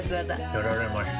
やられました。